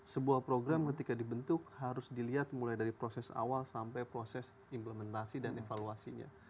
sebuah program ketika dibentuk harus dilihat mulai dari proses awal sampai proses implementasi dan evaluasinya